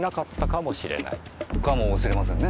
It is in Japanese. かもしれませんね。